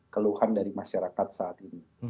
keluhan dari masyarakat saat ini